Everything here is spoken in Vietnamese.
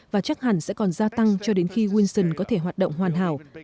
và chắc hẳn sẽ còn gia tăng cho đến khi winson có thể hoạt động hoàn hảo